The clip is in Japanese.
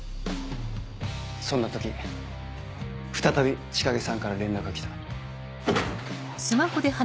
そんな時再び千景さんから連絡が来た。